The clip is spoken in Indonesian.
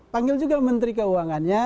panggil juga menteri keuangannya